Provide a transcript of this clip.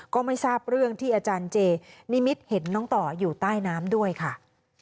ก็ไม่ทราบเรื่องที่อาจารย์เจนิมิตเห็นน้องต่ออยู่ใต้น้ำด้วยค่ะ